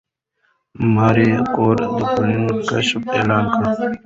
ماري کوري د پولونیم کشف اعلان کړ.